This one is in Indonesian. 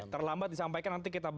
oke terlambat disampaikan